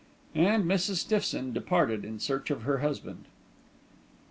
And Mrs. Stiffson departed in search of her husband.